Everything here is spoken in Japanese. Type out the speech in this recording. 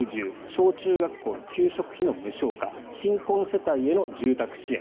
小中学校の給食費の無償化新婚世帯への住宅支援。